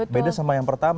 beda sama yang pertama